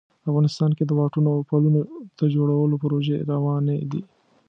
افغانستان کې د واټونو او پلونو د جوړولو پروژې روانې دي